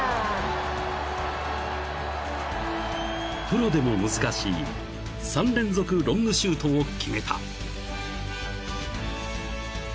［プロでも難しい３連続ロングシュートを決めた］